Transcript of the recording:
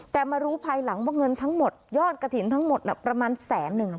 แต่มารู้ภายหลังว่าเงินทั้งหมดยอดกระถิ่นทั้งหมดประมาณแสนหนึ่ง